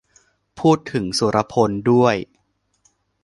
พูดถึงสุรพลด้วย